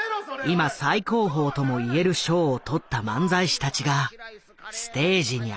今最高峰ともいえる賞をとった漫才師たちがステージに上がる。